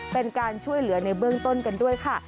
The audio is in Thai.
เป็นการช่วยเหลือในเบื้องต้นกันด้วยค่ะ